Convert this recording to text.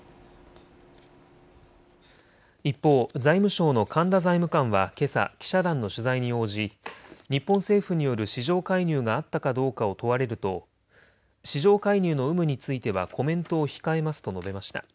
一方、財務省の神田財務官はけさ、記者団の取材に応じ日本政府による市場介入があったかどうかを問われると市場介入の有無についてはコメントを控えますと述べました。